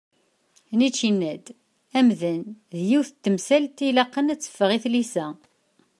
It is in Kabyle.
Nietzsche yenna-d: Amdan d yiwet n temsalt i ilaqen ad teffeɣ i tlisa.